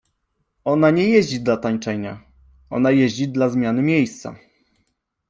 Ona nie jeździ dla tańczenia, ona jeździ dla zmiany miejsca.